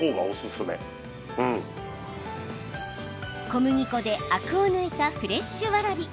小麦粉でアクを抜いたフレッシュわらび。